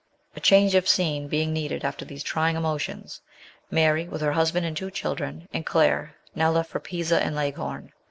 A change of scene being needed after these trying emotions, Mary, with her husband and two children, and Claire, now left for Pisa and Leghorn.